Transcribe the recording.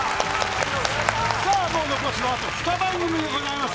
さあ、もう残すはあと２番組でございます。